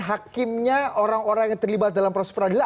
hakimnya orang orang yang terlibat dalam proses peradilan